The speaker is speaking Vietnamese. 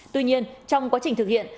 tuy nhiên trong quá trình thực hiện